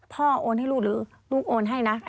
โอนให้ลูกหรือลูกโอนให้นะ